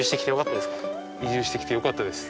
移住してきてよかったです。